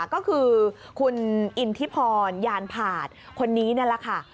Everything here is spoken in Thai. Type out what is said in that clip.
ก็คือคุณอินทิพรยานผ่านคนนี้นั่นแหละค่ะ